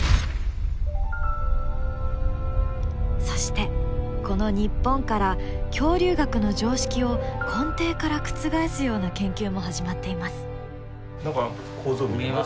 そしてこの日本から恐竜学の常識を根底から覆すような研究も始まっています。